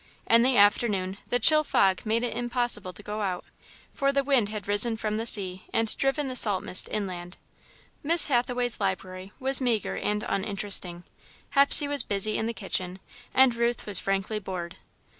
In the afternoon, the chill fog made it impossible to go out, for the wind had risen from the sea and driven the salt mist inland. Miss Hathaway's library was meagre and uninteresting, Hepsey was busy in the kitchen, and Ruth was frankly bored.